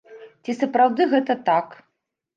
Ці сапраўды гэта так?